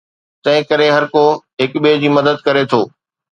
تنهنڪري هرڪو هڪ ٻئي جي مدد ڪري ٿو.